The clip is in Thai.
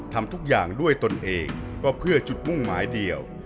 ทำทุกอย่างด้วยตนเองก็เพื่อจุดมุ่งหมายเดียว